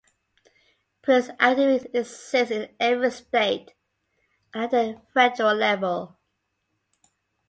Police academies exist in every state and at the federal level.